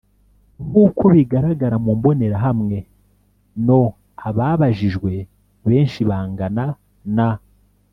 nk uko bigaragara mu mbonerahamwe no ababajijwe benshi bangana na